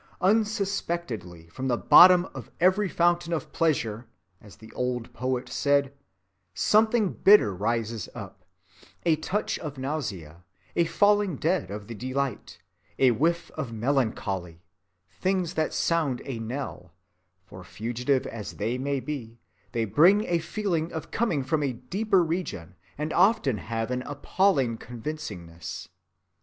Unsuspectedly from the bottom of every fountain of pleasure, as the old poet said, something bitter rises up: a touch of nausea, a falling dead of the delight, a whiff of melancholy, things that sound a knell, for fugitive as they may be, they bring a feeling of coming from a deeper region and often have an appalling convincingness.